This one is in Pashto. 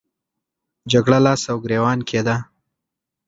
جګړه لاس او ګریوان کېده.